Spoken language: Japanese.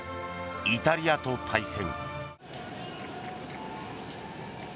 イタリアと対戦。